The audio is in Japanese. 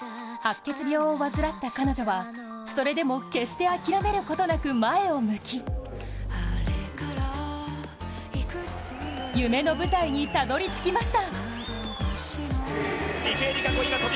白血病を患った彼女は、それでも決して諦めることなく前を向き夢の舞台にたどりつきました。